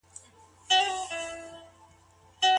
د هبه کوونکې ميرمني حق به پر چا وويشل سي؟